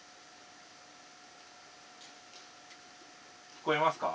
聞こえますか？